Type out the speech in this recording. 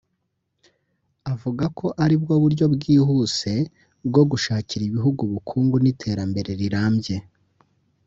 avuga ko aribwo buryo bwihuse bwo gushakira ibihugu ubukungu n’iterambere rirambye